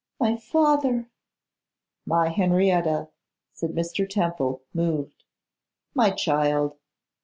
my father!' 'My Henrietta,' said Mr. Temple, moved; 'my child!